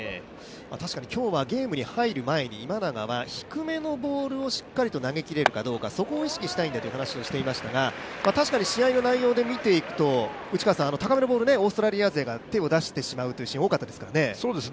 確かに今日はゲームに入る前に、今永は低めのボールをしっかりと投げきれるかどうかそこを意識したいという話をしていましたが、確かに試合の内容を見ていくと高めのボール、オーストラリア勢が手を出してしまうというシーン、多かったですね。